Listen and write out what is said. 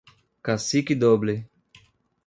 Cacique Doble